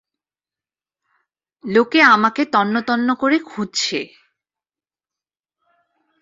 লোকে আমাকে তন্নতন্ন করে খুঁজছে।